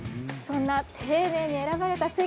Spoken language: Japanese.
そんな丁寧に選ばれた